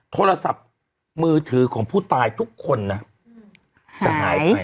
โทรศัพท์มือถือของผู้ตายทุกคนนะจะหายไป